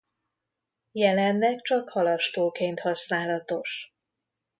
Jelenleg csak halastóként használatos.